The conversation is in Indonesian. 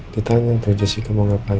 ditanya untuk jessica mau ngapain